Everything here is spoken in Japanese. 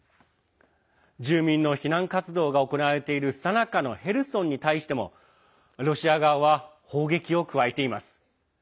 住民の避難活動が行われているさなかのヘルソンに対してもロシア側は砲撃を加えています。